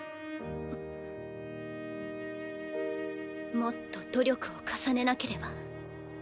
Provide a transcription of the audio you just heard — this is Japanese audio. もっと努力を重ねなければ。